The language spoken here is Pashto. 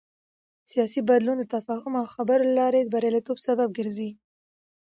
سیاسي بدلون د تفاهم او خبرو له لارې د بریالیتوب سبب ګرځي